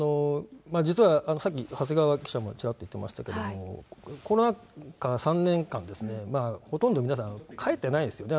実はさっき長谷川記者もちらっと言っていましたけれども、コロナ禍３年間、ほとんど皆さん、帰ってないんですね。